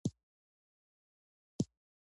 ماريه هر سهار ښوونځي ته ځي